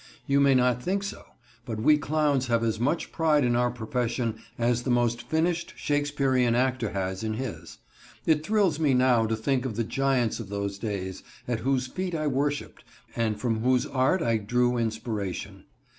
You may not think so, but we clowns have as much pride in our profession as the most finished Shakespearian actor has in his. It thrills me now to think of the giants of those days, at whose feet I worshiped, and from whose art I drew inspiration.